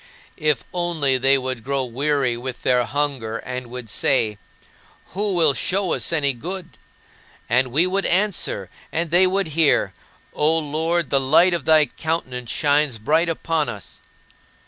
If only they would grow weary with their hunger and would say, "Who will show us any good?" And we would answer, and they would hear, "O Lord, the light of thy countenance shines bright upon us."